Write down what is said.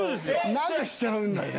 何かしちゃうんだよね。